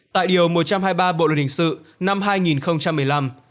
tại điều một trăm hai mươi ba bộ luật hình sự năm hai nghìn một mươi năm